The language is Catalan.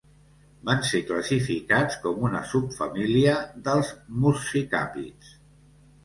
Van ser classificats com una subfamília dels muscicàpids.